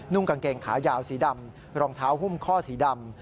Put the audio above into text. กางเกงขายาวสีดำรองเท้าหุ้มข้อสีดำ